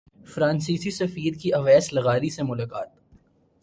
فرانسیسی سفیر کی اویس لغاری سے ملاقات